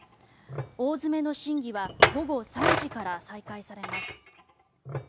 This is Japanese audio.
大詰めの審議は午後３時から再開されます。